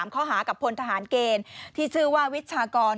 ข้อหากับพลทหารเกณฑ์ที่ชื่อว่าวิชากร